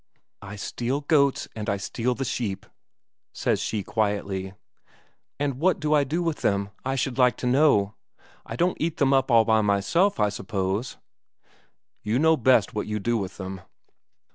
"I steal goats and I steal the sheep," she says quietly. "And what do I do with them, I should like to know? I don't eat them up all by myself, I suppose?" "You know best what you do with them."